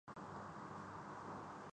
خون ٹیسٹ بھی کیا جاسکتا ہے